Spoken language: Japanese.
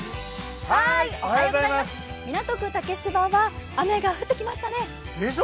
港区竹芝は雨が降ってきましたね。